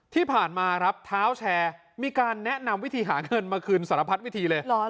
ที่ผ่านมาครับเท้าแชร์มีการแนะนำวิธีหาเงินมาคืนสารพัดวิธีเลย